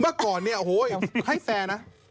เมื่อก่อนเนี่ยโอ้โหให้แฟนนะ